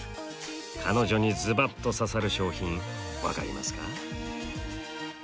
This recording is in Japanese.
彼女にズバッと刺さる商品分かりますか？